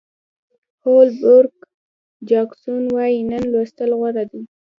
هول بروک جاکسون وایي نن لوستل غوره دي.